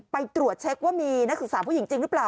ไปตรวจเช็คว่ามีนักศึกษาผู้หญิงจริงหรือเปล่า